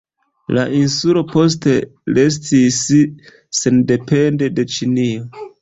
La insulo poste restis sendepende de Ĉinio.